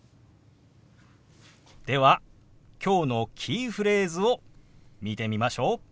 ではきょうのキーフレーズを見てみましょう。